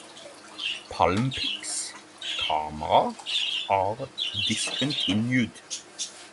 PalmPix cameras are discontinued.